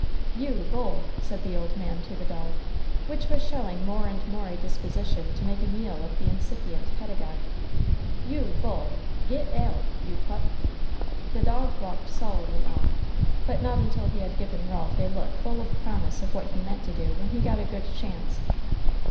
"You, Bull!" said the old man to the dog, which was showing more and more a disposition to make a meal of the incipient pedagogue, "you, Bull! git aout, you pup!" The dog walked sullenly off, but not until he had given Ralph a look full of promise of what he meant to do when he got a good chance.